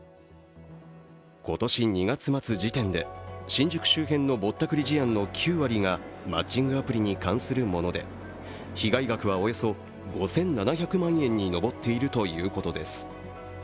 今年２月末時点で新宿周辺のぼったくり事案の９割がマッチングアプリに関するもので被害額はおよそ５７００万円に上っているということです。